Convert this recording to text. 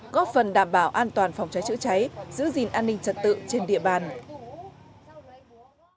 góp phần đảm bảo an toàn phòng cháy chữa cháy giữ gìn an ninh trật tự trên địa bàn